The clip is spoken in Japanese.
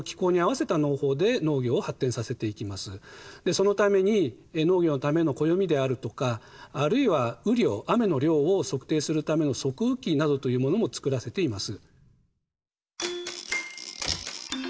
そのために農業のための暦であるとかあるいは雨量雨の量を測定するための測雨器などというものもつくらせています。